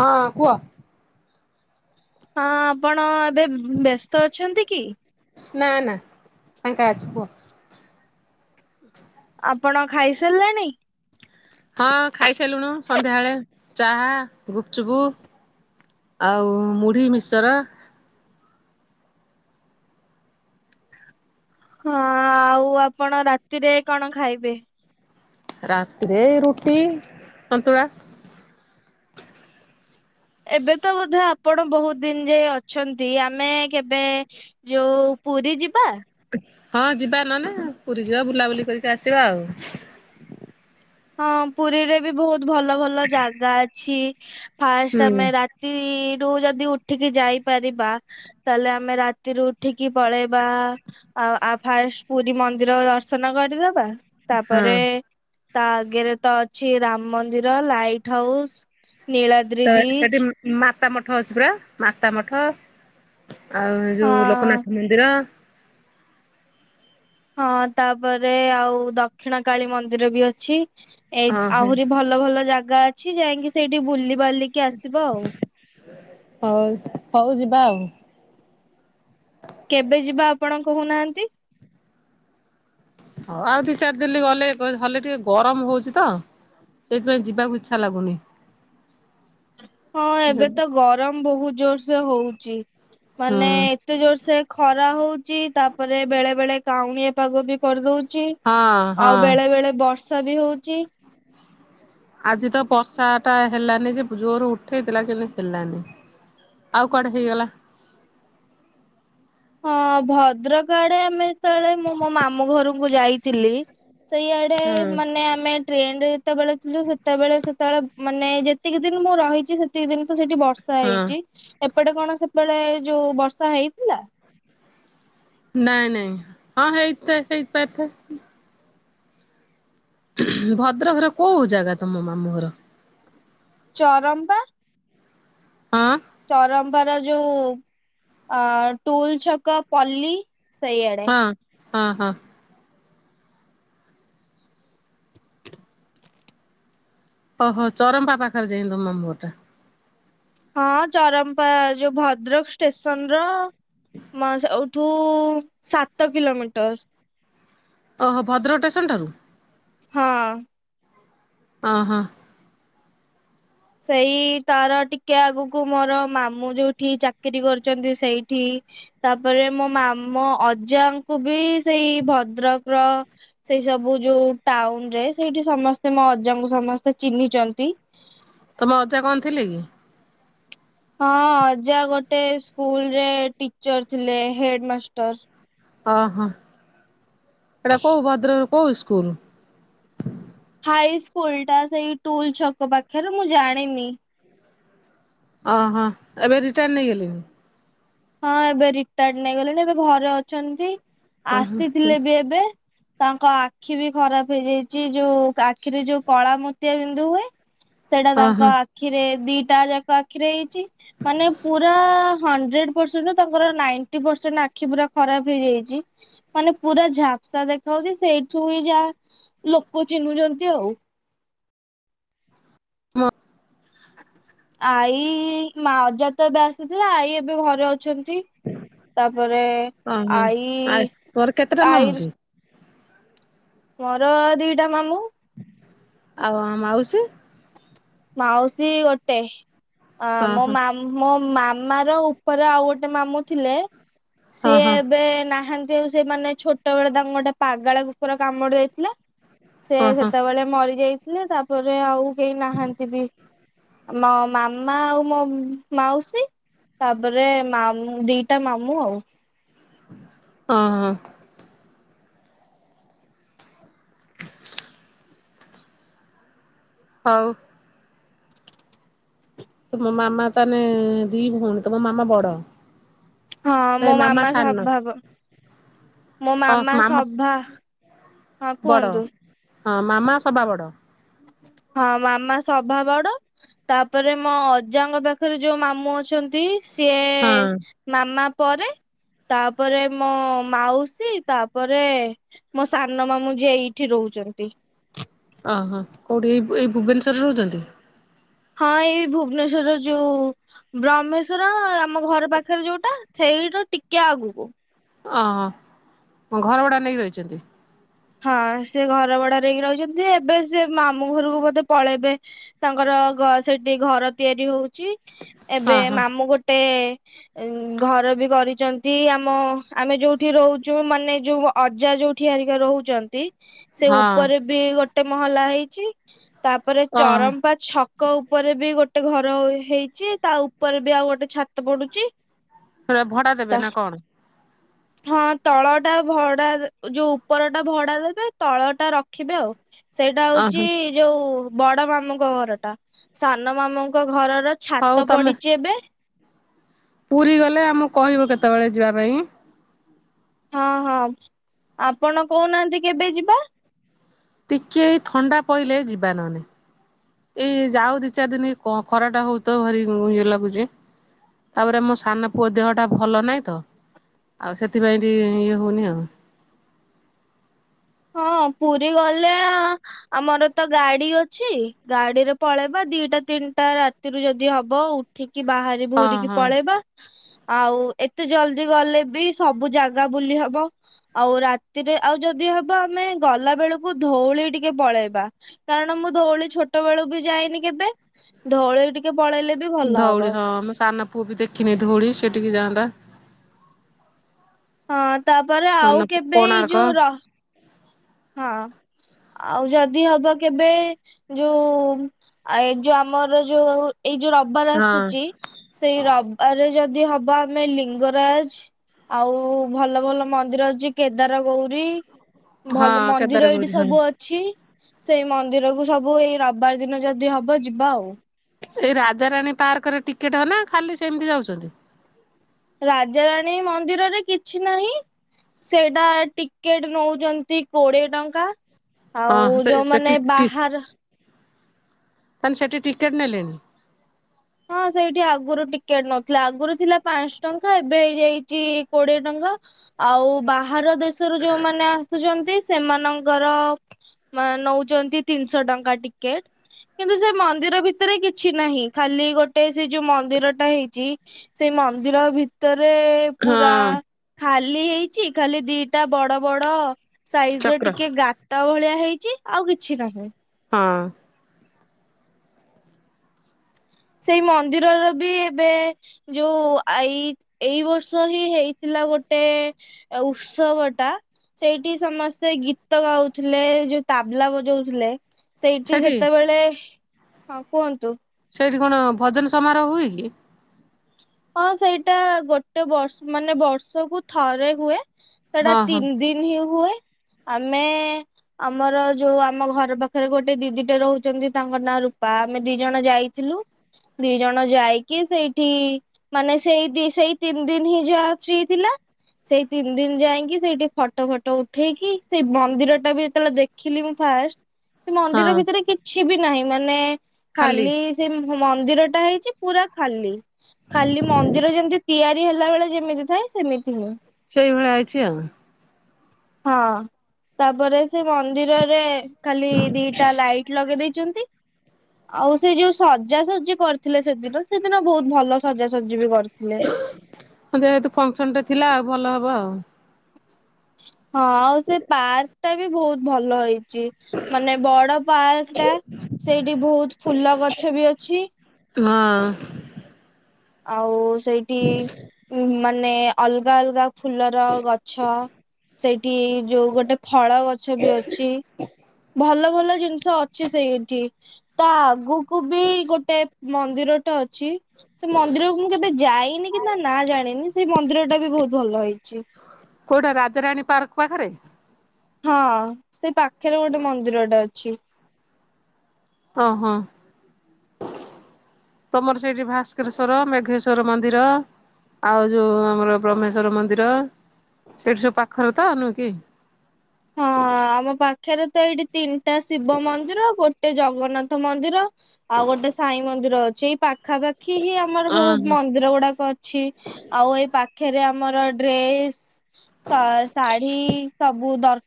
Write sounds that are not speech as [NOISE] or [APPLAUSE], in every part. ହଁ କୁହ ହଁ ଆପଣ ଏବେ ବ୍ୟସ୍ତ ଅଛନ୍ତି କି? ନା ନା ଫାଙ୍କା ଅଛି କୁହ। ଆପଣ ଖାଇସାରିଲେଣି? ହଁ ଖାଇସାରିଲୁଣିୁ ସନ୍ଧ୍ୟାବେଳେ ଚାହା ଗୁପଚୁପୁ ଆଉ ମୁଢି ମିକ୍ସଚର। ହଁ ଆଉ ଆପଣ ରାତିରେ କଣ ଖାଇବେ? ରାତିରେ ରୁଟି ସନ୍ତୁଳା ଏବେ ତ ବୋଧେ ଆପଣ ବହୁତ ଦିନ ଯାଏ ଅଛନ୍ତି ଆମେ କେବେ ଯୋଉ ପୁରୀ ଯିବା ହଁ ଯିବା ନହେଲେ ପୁରୀ ଯିବା ବୁଲାବୁଲି କରିକି ଆସିବା ଆଉ। ହଁ ପୁରୀରେ ବି ବହୁତ ବହୁତ ଭଲ ଭଲ ଜାଗା ଅଛି। ଫାଷ୍ଟ ହୁଁ। ଆମେ ରାତି ରୁ ଯଦି ଉଠିକି ଯାଇପାରିବା ତାହେଲେ ଆମେ ରାତିରୁୁ ଉଠିକି ପଳେଇବା ଆ ଆ ଫାଷ୍ଟ ପୁରୀ ମନ୍ଦିର ଦର୍ଶନ କରିଦବା ହଁ ତାପରେ ତା ଆଗରେ ତ ଅଛି ରାମ ମନ୍ଦିର ଲାଇଟ୍ ହାଉସ୍ ନୀଳାଦ୍ରି ତ ବିଚ୍ ସେଠି ମାତା ମଠ ଅଛି ପୁରା ମା ମାତା ମଠ ଆଉ ଯୋଉ ହଁ ଲୋକନାଥ ମନ୍ଦିର ହଁ ତାପରେ ଆଉ ଦକ୍ଷିଣ କାଳୀ ମନ୍ଦିର ବି ଅଛି। ଏଇ ହଁ ହଁ ଆହୁରି ଭଲ ଭଲ ଜାଗା ଜାଗା ଅଛି ଯାଇକି ସେଇଠି ବୁଲି ବଲିକି ଆସିବ ଆଉ ହଉ ହଉ ଯିବା ଆଉ କେବେ ଯିବା ଆପଣ କହୁନାହାନ୍ତି। ହଁ ଆଉ ଦି ଚାରି ଦିନ ଗଲେ ହେଲେ ଟିକେ ଗରମ ହଉଛି ତ ସେଇଥିପାଇଁ ଯିବାକୁ ଇଚ୍ଛା ଲାଗୁନି ହଁ ଏବେ ତ ଗରମ ବହୁତ ଜୋର ସେ ହଉଛି ମାନେ ହୁଁ। ଏତେ ଜୋର ସେ ଖରା ହଉଚ ତାପରେ ବେଳେ ବେଳେ କାଉଣ ପାଗ ବି କରିଦଉଛି ହଁ ଆଉ ହଁ ବେଳେ ବେଳେ ବର୍ଷା ଷା ବି ହଉଛି। ଆଜି ତ ବର୍ଷା ଟା ହେଲାନି ଯେ ଜୋର ଉଠେଇଥିଲା କିନ୍ତୁ ହେଲାନି ଆଉ କୁଆଡେ ହେଇଗଲା। ହଁ ଭଦ୍ରକ ଆଡେ ଆମେ ଯେତେବେଳେ ମୁଁ ମୋ ମାମୁଁ ଘରକୁ ଯାଇଥିଲି ସେଇଆଡେ ହୁଁ ମାନେ ଆମେ ଟ୍ରେନରେ ଯେତେବେଳେ ଥିଲୁ ସେତେବେଳେ ସେତେବେଳେ ମାନେ ଯେତିକି ଦିନ ମୁଁ ରହିଛି ସେତିକି ଦିନ ତ ସେଠି ବର୍ଷା ହଁ ହେଇଛି। ଏପଟେ କଣ ସେପେଟେ ଯୋଉ ବର୍ଷା ହେଇଥିଲା। ନାଇଁ ନାଇଁ ହଁ ହେଇଥିଲା ହେଇଥି ପାଇଁ - ଭଦ୍ରକର କୋଉ ଜାଗା ତମ ମାମୁଁ ଘର? ଚରମ୍ପା। ହଁ। ଚରମ୍ପାର ଯୋଉ ଅ ଟୁଲ ଛକ ପଲ୍ଲୀ। ସେଇଆଡେ। ହଁ ହଁ ହଁ। ଓହୋ ଚରମ୍ପା ପାଖରେ ଯାଇ ତ ମାମୁଁ ଘରଟା। ହଁ ଚରମ୍ପା ଯୋଉ ଭଦ୍ରକ ଷ୍ଟେସନ ର ମା ସେ ଆଉ [INAUDIBLE] ତୁ ସାତ କିିଲୋମିଟର ଓହୋ ଭଦ୍ରକ ଷ୍ଟେସନ ଠାରୁ ହଁ ହ ହୋ ସେଇ ତାର ଟିକେ ଆଗକୁ ମୋର ମାମୁଁ ଯୋଉଠି ଚାକିରିୀ କରିଛନ୍ତି ସେଇଠି ତାପରେ ମୋ ମାମଁ ଅଜାଙ୍କୁ ବି ସେଇ ଭଦ୍ରକର ସେଇ ସବୁ ଯୋଉ ଟାଉନ ରେ ସେଇଠି ସମସ୍ତେ ମୋ ଅଜାଙ୍କୁ ସମସ୍ତେ ଚିହ୍ନିଚନ୍ତି ତମ ଅଜା କଣ ଥିଲେ କି ହଁ ଅଜା ଗୋଟେ ସ୍କୁଲରେ ଟିଚର ଥିଲେ ହେଡ ମାଷ୍ଟର ଓ ହୋ ଏଟା କଉ ଭଦ୍ରକ କୋଉ ସ୍କୁଲ ହାଇ ସ୍କୁଲ ଟା ସେଇ ଟୁଲ ଛକ ପାଖରେ ମୁଁ ଜାଣିନି ଓହୋ ଏବେ ରିଟିଆଡ ନେଇଗଲେଣିି ହଁ ଏବେ ରିକଟାର୍ଡ ନେଇ ଗଲେଣି ଏବେ ଘରେ ଅଛନ୍ତି ଓହୋ ଆସିଥିଲେ ବି ଏବେ ତାଙ୍କ ଆଖି ବି ଖରାପ ହେଇଯାଇଚି ଯୋଉ ଆଖିରେ ଯୋଉ କଳା ମ ମୋତିଆ ବିିନ୍ଦୁ ହୁଏ ସେଇଟା ତାଙ୍କ ଓହୋ। ଆଖିରେ ଦି ତା ଜାଗ ଆଖି ରେ ହେଇଛି ମାନେ ପୁରା ହଣ୍ଡ୍ରେ୍ଡ ପରଷେଣ୍ଡ୍ ରୁ ତାଙ୍କର ନାଇଣ୍ଟି ପରଷେଣ୍ଡ ଆଖି ପୁରା ଖରାପ ହେଇଯାଇଚି ମାନେ ପୁରା ଝାପ୍ସା ଦେଖାାଯାଉଚି ସେଇଠୁ ହି ଯାହା ଲୋକ ଚିହ୍ନୁଛନ୍ତି ଆଉ ହଁ ଆଈ ମା ଅଜା ତ ଏବେ ଆସିଥିଲେ ଆଈ ଏବେ ଘରେ ଅ ତାପରେ ଓହୋ ଆଈ ଆ ତୋର କେତେଟା ମାମୁଁ ଆଈ କି ମୋର ଦିଟା ମାମୁଁ ଆଉ ମାଉସୀ ମାଉସୀ ଗୋଟେ ଅ ହଁ ମୋ ହଁ ମାମ ମମ୍ ମାମ ର ଉପରେ ଆଉ ଗୋଟେ ମାମୁଁ ଥିଲେ ହଁ ସିଏ ହଁ ଏବେ ନାହାନ୍ତି ଯୋଉ ସେ ମାନେ ଛୋଟ ବେଳେ ତାଙ୍କୁ ଗୋଟେ ପାଗଳ କୁକୁର କାମୁଡି ଦେଇଥିଲା ସେ ହଁ ହଁ ସେତେବେଳେ ମରିଯାଇ ତାପରେ ଆଉ କେହି ନାହାନ୍ତି ମୋ ମାମା ଆଉ ମୋ ମାଉସୀ ତାପରେ ମାମୁଁ ଦି ଟା ମାମୁଁ ଆଉ ହଁ ହଁ ହଉ। ତୁମ ମାମା ତାହେଲେ ଦି ଭଉଣୀ ତୁମ ମାମା ବଡ ହଁ ମୋ ମାମା ସା ଭାବ ହ ମାମା ହଁ ବଡ କୁହନ୍ତୁ। ହଁ ମାମା ସବା ବଡ ହଁ ମାମା ସଭା ବଡ ତାପରେ ମୋ ଅଜାଙ୍କ ପାଖରେ ଯୋଉ ମାମୁ ଅଛନ୍ତି ୲ ସିଏ ହଁ ମାମା ପରେ ତାପରେ ମୋ ମାଉସୀ ତାପରେ ମୋ ସାନ ମାମୁଁ ଯିଏ ଏଇଠି ରହୁଛନ୍ତି। ଓହୋ କୋଉଠି ଏଇ ଏଇ ଭୁବନେଶ୍ଵରରେ ରହୁଛନ୍ତି। ହଁ ଏଇ ଭୁବନେଶ୍ଵର ଯୋଉ ବ୍ରହ୍ମେଶ୍ଵର ଆମ ଘର ପାଖରେ ଯୋଉଟା ଓ ଘର ଭଡା ନେଇକି ରହିଛନ୍ତି। ହଁ ସେ ଘର ଭଡା ଦେଇକି ରହିଛନ୍ତି ଏବେ ସେ ମାମୁଁ ଘରକୁ ବୋଧେ ପଳେଇବେ ତାଙ୍କର ସେଠି ଘ ଘର ତିଆରି ହଉଛି। ଏବେ ଓହୋ ହଁ। ମାମୁଁ ଗୋଟେ ଘର ବି କରିଛନ୍ତି ଆମ ଆମେ ଯୋଉଠି ରହୁଛୁ ମାନେ ଯୋଉ ଅଜା ଯୋଉଠି ଆରିକା ରହୁଛୁ। ଚନ୍ତି। ସେ ହଁ ଉପରେ ବି ଗୋଟେ ଗୋଟେ ମହଲା ହେଇଚି ତାପରେ ଓହୋ ଚରମ୍ପା ଛକ ଉପରେ ବି ଗୋଟେ ତା ଗୋଟେ ଘର ହେଇଛି ତା ଉପରେ ବି ଆଉ ଗୋଟେ ଛାତ ପଡୁଛି। ସେରା ଭଡା ତା ଦେବେ ନା କଣ? ହଁ ତଳ ଟା ଭଡା ଯୋଉ ଉପର ଟା ଭଡା ଦେବେ ତଳ ଟା ରଖିବେ ଆଉ ୲ ସେଇଟା ଓହୋ ହଉଛି ଯୋଉ ବଡ ମାମୁଙ୍କ ଘର ଟା ସାନ ମାମୁଙ୍କ ଘରର ହଉ ଛାତ ତମେ ପଡିଛି ଏବେ। ପୁରୀ ଗଲେ ଆମକୁ କହିବ କେତେବେଳେ ଯିବା ପାଇଁ ହଁ ହଁ ଆପଣ କହୁନାହାନ୍ତି କେବେ ଯିବା ଟିକେ ଥଣ୍ଡା ପଇଲେ ଯିବା ନହନେ ଏଇ ଯାଉ ଦି ଚାରି ଦିନ ଖରା ଟା ହଉ ତ ଭାରି ଇଏ ଲାଗୁଛି ତାପରେ ଆମୋ ସାନ ପୁଅ ଦେହଟା ଭଲ ନହିଁ ତ ଆଉ ସେଥିପାଇଁ ଟ ଇଏ ହଉନି ଆଉ। ହଁ ପୁରୀ ଗଲେ ଆମର ତ ଗାଡି ଅଛି ଗାଡିରେ ପଳେଇବା ଦିଟା ତିନିଟା ରାତିରୁ ଯଦି ହବ ଉଠିକି କି ବାହାରି ହଁ ଭୁରିକି ହଁ ପଳେଇବା। ଆଉ ଏତେ ଜଲଦି ଗଲେ ବି ସବୁ ଜାଗା ବୁଲି ହବ ଆଉ ରାତିରେ ଆଉ ଯଦି ହବ ଆମେ ଗଲା ବେଳକୁ ଧଉଳି ଟିକେ ପଳେଇବା କାରଣ ମୁଁ ଧଉଳି ଛୋଟ ବେଳକୁ ବି ଯାଇନି କେବେ ଧଉଳି ଟିକେ ପଳେଇଲେ ବି ଭଲ ହବ। ଧଉଳି ହଁ ଆମ ସାନ ପୁଅ ବି ଦେଖିନି ଧଉଳି ସେ ଟିକେ ଯାଆନ୍ତା ହଁ। ତାପରେ ସ୍ନାନ ଆଉ କେବେ ଏଇ କୋଣାର୍କ ଜୋର ହଁ ଆଉ ଯଦି ହବ କେବେ ଯୋଉ ଏ ଯୋଉ ଆମର ଯୋଉ ଏଇ ଯୋଉ ରବିବାର ହଁ ଆସୁଛି ସେଇ ରବିବାର ରେ ଯଦି ହବ। ଜିବା ଆମେ ଲିଙ୍ଗରାଜ ଆଉ ଭଲ ଭଲ ମନ୍ଦିର ଅଛି କେଦାର ଗୌରୀ ହଁ ଭଲ କେଦାର ମନ୍ଦିର ଏଇଠି ଗୌରୀ ହଁ ସବୁ ଅଛି। ସେଇ ମନ୍ଦିରକୁ ସବୁ ଏଇ ରବିବାର ଦିନ ଯଦି ହବ ଯିବା ଆଉ। ଏଇ ରାଧା ରାଣୀ ପାର୍କରେ ଟିକେଟ ନା ଖାଲି ସେମିତି ଯାଉଛନ୍ତି? ରାଜାରାଣୀ ମନ୍ଦିରରେ କିଛି ନାହିଁ ସେଇଟା ଟିକେଟ ନଉଛନ୍ତି କୋଡିଏ ଟଙ୍କା। ଆଉ ହଁ ସେ ଯୋଉମାନେ ବାହାର ତାହାଲେ ସେଠି ଟିକେଟ୍ ନେଲେନି? ହଁ ସେଇଠି ଆଗରୁ ଟିକେଟ ନଥିଲା ଆଗରୁ ଥିଲା ପାଞ୍ଚ ଟଙ୍କା ଏବେ ହେଇଯାଇଚି କୋଡିଏ ଟଙ୍କା ଆଉ ବା ବାହାର ଦେଶରୁ ଯୋଉମାନେ ଆସୁଚନ୍ତି ସେମାନଙ୍କର ନଉଚନ୍ତି ତିନିଶହ ଟଙ୍କା ଟିକେଟ କିନ୍ତୁ ସେ ମନ୍ଦିର ଭିତରେ କିଛି ନାହିଁ। ଖାଲି ଗୋଟେ ସେ ଯୋଉ ମନ୍ଦିରଟା ହେଇଚି ସେ ମନ୍ଦିର ଭିତରେ ରେ ହଁ ପୁରା ଖାଲି ଖାଲି ହେଇଚି ଖାଲି ଦିଟା ବଡ ବଡ ସାଇଜ୍ ର ଚକ୍ର ଟିକେ ଗାତ ଭଳିଆ ହେଇଚି ଆଉ କିଛି ନାହିଁ। ହଁ। ସେଇ ମନ୍ଦିରର ବି ଏବେ ଯୋଉ ଆ ଏଇ ଏଇ ବର୍ଷ ହିଁ ହେଇଥିଲା ଗୋଟେ ଆ ଉତ୍ସବ ଟା ସେଇଠି ସମସ୍ତେ ଗୀତ ଗାଉଥିଲେ ଯୋଉ ତାବଲା ବଜଉଥିଲେ। ସେଇଠି ସେଠି ଯେତେବେଳେ ହଁ କୁହନ୍ତୁ। ସେଠି କଣ ଭଜନ ସମାରୋହ ହୁଏ କି? ହଁ ସେଇଟା ଗୋଟେ ବର୍ଷ ମାନେ ବର୍ଷକୁ ଥରେ ହୁଏ। ସେଇଟା ହଁ ହଁ ତିନି ଦିନ ହିଁ ହୁଏ। ଆମେ ଆମର ଯୋଉ ଆମ ଘର ପାଖରେ ଗୋଟେ ଦିଦିଟେ ରହୁଛନ୍ତି ତାଙ୍କ ନାଁ ରୂପା ଆମେ ଦି ଜଣ ଯାଇଥିଲୁ ଦି ଜଣ ଯାଇକି ସେଇଠି ମାନେ ସେଇ ଦି ସେଇ ତିନି ଦିନ ହିଁ ଯାହା ଅଛି ଥିଲା ସେଇ ତିନି ଦିନ ଯାଇକି ସେଇଠି ଫଟୋ ଫଟୋ ଉଠେଇକି ସେଇ ମନ୍ଦିର ଟା ବି ଯେତେବେଳେ ଦେଖିଲି ମୁଁ ଫାଷ୍ଟ ସେ ମନ୍ଦିର ହଁ ଭିତରେ କିଛି ବି ନାହିଁ। ମାନେ ଖାଲି ସେ ମୁ ମନ୍ଦିର ଟା ହେଇଚି ପୁରା ଖାଲି। ଖାଲି ମନ୍ଦିର ଯେମିତି ତିଆରି ହେଲା ବେଳେ ଯେମିତି ଥାଏ ସେମିତି ହିଁ। ସେଇଭଳିଆ ହେଇଚି ଆଉ। ହଁ ତାପରେ ସେ ମନ୍ଦିରରେ ଖାଲି ଦିଟା ଲାଇଟ୍ ଲଗେଇ ଦେଇଚନ୍ତି ଆଉ ସେ ଯୋଉ ସଜାସଜି କରିଥିଲେ ସେଦିନ ସେଦିନ ବହୁତ ଭଲ ସଜାସଜି ବି କରିଥିଲେ। ଯେହେତୁ ଫଙ୍କସନ୍ଟା ଥିଲା ଭଲ ହବ ଆଉ। ହଁ। ହଁ ଆଉ ସେ ପାର୍କ ଟା ବି ବହୁତ ଭଲ ହେଇ ଛି ମାନେ ବଡ ପାର୍କ ଟା ସେଇଠି ବହୁତ ଫୁଲ ଗଛ ବି ଅଛି। ହଁ। ଆଉ। ସେଇଠି ଉମ୍ ମା ନେ ଅଲଗା ଅଲଗା ଫୁଲର ଗଛ ସେଇଠି ଯୋଉ ଗୋଟେ ଫଳ ଗଛ ବି ଅଛି ଭଲ ଭଲ। ଜିନିଷ ଅଛି ସେଇଠି ତା ଆଗକୁ କୁବି ଗୋଟେ ମନ୍ଦିର ଟା ଅଛି। ସେ ମନ୍ଦିରକୁ ମୁଁ କେବେ ଯାଇନି କି ନା ନା ଜାଣିନି ସେଇ ମନ୍ଦିର ଟା ବି ବହୁତ ଭଲ ହେଇଛି। କୋଉଟା ରାଜାରାଣୀ ପାର୍କ ପାଖରେ ହଁ ସେଇ ପା ପାଖରେ ଗୋଟେ ମିରା ଅ ପକ୍ଷୀ ଓ ହଁ ତମର ସେଠି ଭାସ୍କରେଶ୍ଵର ମେଘେଶ୍ଵର ମନ୍ଦିର ଆଉ ଯୋଉ ଆମର ବ୍ରହ୍ମେଶ୍ଵର ମନ୍ଦିର ସେଇଠି ସବୁ ପାଖରେ ତ ନୁହେଁ କି? ଆକ୍ଷରେ ତ ଏଇଠି ତିନି ଗଟା ଶିବ ମନ୍ଦିର ଆଉ ଗୋଟେ ଜ ଜଗନ୍ନାଥ ମନ୍ଦିର ଆଉ ଗୋଟେ ସାଇ ମନ୍ଦିର ଅଛି ଏଇ ପା ପାଖାପାଖି ହିଁ ଆମର ବହୁତ ଓହୋ ମନ୍ଦିର ଗୁଡାକ ଅଛି ଆଉ ଏଇ ପାଖରେ ଆର ଡ୍ରେସ୍ ଶାଢୀ ସବୁ ଦର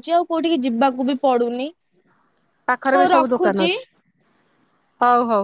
ଯଉ କୋଉ ଟିକେ ଯିବାକୁ ବି ପଡୁନି ପାଖରେ ବି ହଉ ସବୁ ଦୋକାନ ରଖୁଚି। ଅଛି ହଉ ହଉ।